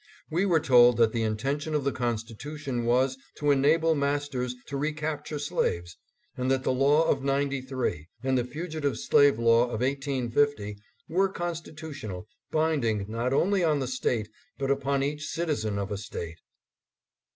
We were told that the intention of the Constitution was to enable masters to recapture slaves, and that the law of '93 and the Fugitive Slave Law of 1850 were constitutional, bind ing not only on the State but upon each citizen of a State.